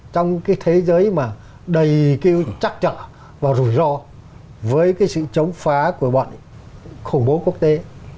trong cái thế giới mà đầy cái chắc chở và rủi ro với cái sự chống phá của bọn khủng bố quốc tế